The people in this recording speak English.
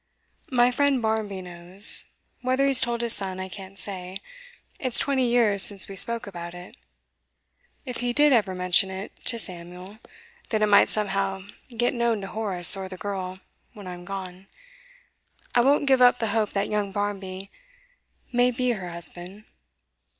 'My friend Barmby knows. Whether he's told his son, I can't say; it's twenty years since we spoke about it. If he did ever mention it to Samuel, then it might somehow get known to Horace or the girl, when I'm gone. I won't give up the hope that young Barmby may be her husband.